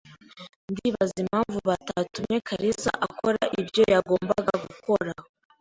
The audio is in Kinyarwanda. Ndibaza impamvu batatumye kalisa akora ibyo yagombaga gukora.